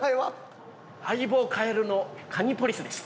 相棒カエルのかにポリスです。